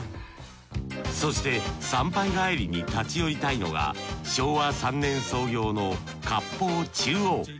そして参拝帰りに立ち寄りたいのが昭和３年創業の割烹中央。